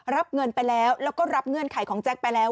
รับเงินไปแล้วแล้วก็รับเงื่อนไขของแจ็คไปแล้ว